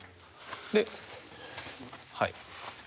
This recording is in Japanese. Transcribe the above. ではい。